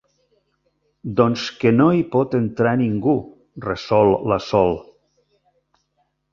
Doncs que no hi pot entrar ningú —resol la Sol—.